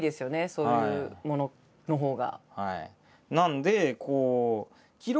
そういうもののほうが。